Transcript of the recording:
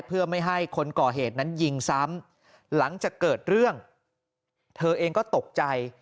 เพื่อไม่ให้คนก่อเหตุนั้นยิงซ้ำหลังจากเกิดเรื่องเธอเองก็ตกใจ